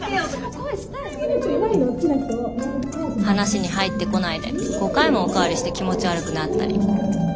話に入ってこないで５回もお代わりして気持ち悪くなったり。